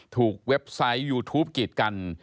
เว็บไซต์ยูทูปกีดกัน